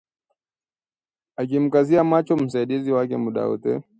akimkazia macho msaidizi wake muda wote